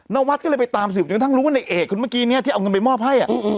นวัดก็เลยไปตามสืบจนกระทั่งรู้ว่าในเอกคนเมื่อกี้เนี่ยที่เอาเงินไปมอบให้